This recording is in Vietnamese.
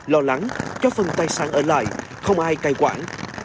lo lắng cho phần tài sản ở lại không ai cai quản